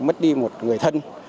mất đi một người thân